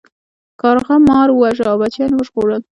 کارغه مار وواژه او بچیان یې وژغورل.